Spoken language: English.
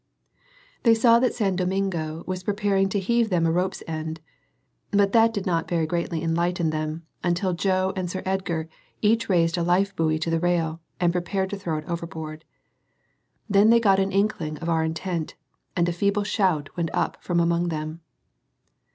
They saw that San Domingo was preparing to heave them a rope's end; but that did not very greatly enlighten them until Joe and Sir Edgar each raised a life buoy to the rail, and prepared to throw it overboard. Then they got an inkling of our intent; and a feeble shout went up from among them.